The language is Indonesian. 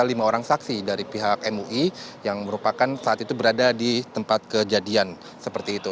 ada lima orang saksi dari pihak mui yang merupakan saat itu berada di tempat kejadian seperti itu